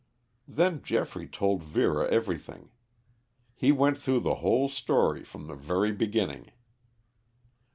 Then Geoffrey told Vera everything. He went through the whole story from the very beginning.